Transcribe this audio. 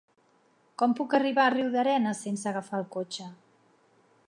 Com puc arribar a Riudarenes sense agafar el cotxe?